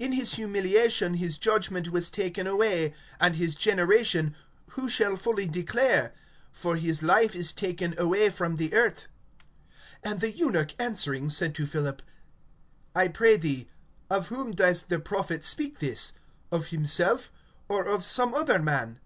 (33)In his humiliation his judgment was taken away; And his generation[8:33] who shall fully declare? For his life is taken away from the earth. (34)And the eunuch answering said to Philip: I pray thee, of whom does the prophet speak this? Of himself, or of some other man?